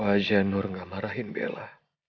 aja nur gak marahin bella